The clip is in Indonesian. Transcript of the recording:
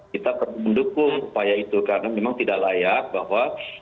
kita perlu mendukung upaya itu karena memang tidak layak bahwa